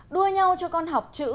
đua nhau cho con học chữ